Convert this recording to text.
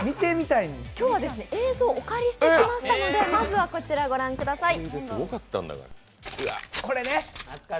今日は映像をお借りしてきましたので、まずはこちらを御覧ください。